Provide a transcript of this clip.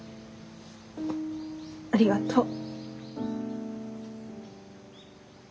ありがとう。